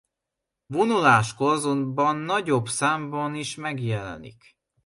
Vonuláskor azonban nagyobb számban is megjelenik.